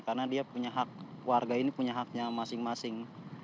karena dia punya hak warga ini punya haknya masing masing